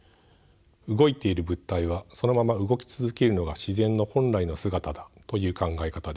動いている物体はそのまま動き続けるのが自然の本来の姿だという考え方です。